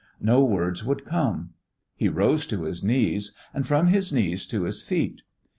No words would come. He rose to his knees, and from his knees to his feet.